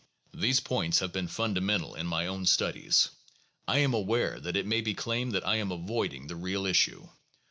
These points have been fundamental in my own studies. I am aware that it may be claimed that I am avoiding the real issue.